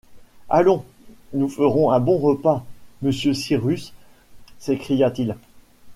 Allons! nous ferons un bon repas, monsieur Cyrus ! s’écria-t-il.